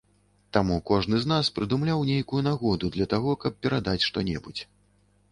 Таму кожны з нас прыдумляў нейкую нагоду для таго, каб перадаць што-небудзь.